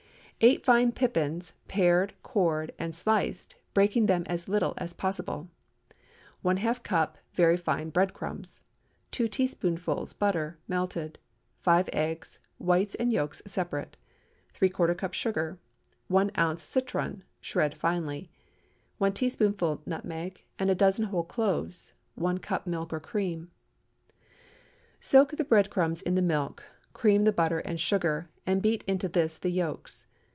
✠ 8 fine pippins, pared, cored, and sliced, breaking them as little as possible. ½ cup very fine bread crumbs. 2 teaspoonfuls butter—melted. 5 eggs—whites and yolks separate. ¾ cup sugar. 1 oz. citron, shred finely. 1 teaspoonful nutmeg, and a dozen whole cloves. 1 cup milk or cream. Soak the bread crumbs in the milk, cream the butter and sugar, and beat into this the yolks.